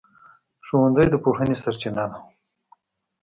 ښوونځی د پوهنې سرچینه ده.